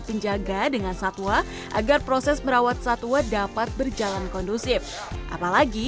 penjaga dengan satwa agar proses merawat satwa dapat berjalan kondusif apalagi